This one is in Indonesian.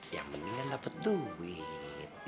yang mendingan dapet duit